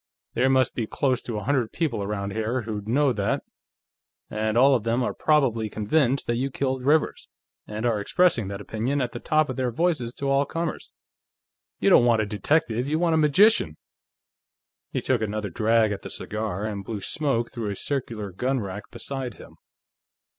"There must be close to a hundred people around here who'd know that, and all of them are probably convinced that you killed Rivers, and are expressing that opinion at the top of their voices to all comers. You don't want a detective, you want a magician!" He took another drag at the cigar, and blew smoke through a circular gun rack beside him.